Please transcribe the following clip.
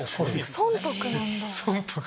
損得なんだ。